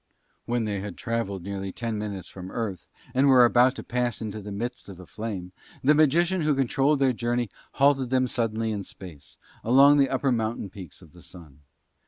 When they had travelled nearly ten minutes from Earth and were about to pass into the midst of the flame, that magician who controlled their journey halted them suddenly in Space, among the upper mountain peaks of the Sun.